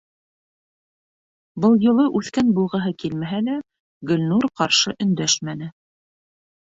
Был юлы «үҫкән» булғыһы килмәһә лә, Гөлнур ҡаршы өндәшмәне.